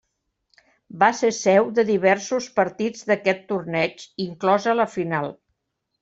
Va ser seu de diversos partits d'aquest torneig, inclosa la final.